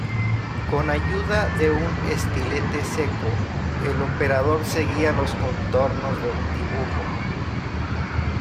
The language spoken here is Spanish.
Con ayuda de un estilete seco, el operador seguía los contornos de un dibujo.